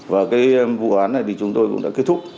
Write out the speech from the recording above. và cái vụ án này thì chúng tôi cũng đã kết thúc